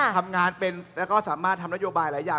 ทำงานเป็นแล้วก็สามารถทำนโยบายหลายอย่าง